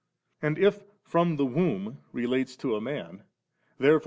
And if 'From the womb' relates to a man, therefore • FkU.